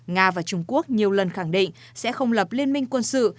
nga và trung quốc nhiều lần khẳng định sẽ không lập liên minh quân sự